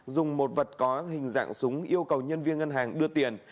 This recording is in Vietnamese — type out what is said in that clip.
dùng một vật có hình dạng súng yêu cầu nhân viên ngân hàng đưa tiền